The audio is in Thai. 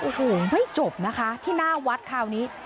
โอ้โหไม่จบนะคะที่หน้าวัดคราวนี้